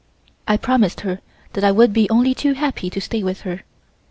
I promised her that I would be only too happy to stay with her.